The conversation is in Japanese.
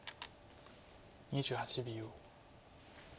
２８秒。